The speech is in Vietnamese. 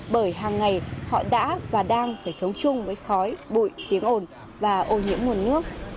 bởi hàng ngày họ đã và đang phải sống chung với khói bụi tiếng ồn và ô nhiễm nguồn nước